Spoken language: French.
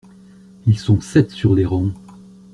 Ils sont sept sur les rangs.